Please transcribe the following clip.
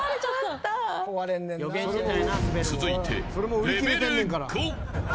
続いてレベル５。